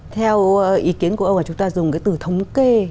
theo ý kiến của ông là chúng ta dùng cái từ thống kê